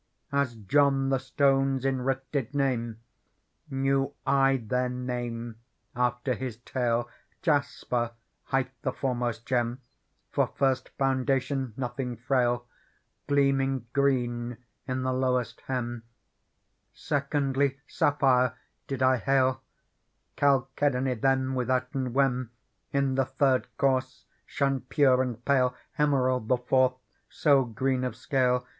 Digitized by Google PEARL 43 As John the stones in writ did name^ Knew I their name after his tale, Jasper hight the foremost gem, For first foundation, nothing frail, Gleaming green in the lowest hem : Secondly, sapphire did I hail : Chalcedony then withouten wem In the third course shone pure and pale : Emerald the fourth, so green of scale.